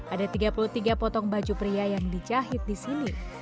ada tiga puluh tiga potong baju pria yang dijahit di sini